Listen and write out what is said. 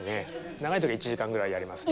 長い時は１時間ぐらいやりますね。